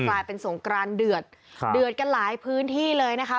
กลายเป็นสงกรานเดือดครับเดือดกันหลายพื้นที่เลยนะคะ